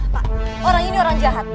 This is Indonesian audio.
pak orang ini orang jahat